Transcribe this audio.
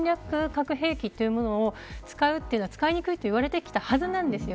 核兵器というものを使うというのは使いにくいと言われてきたはずなんです。